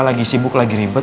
lagi sibuk lagi ribet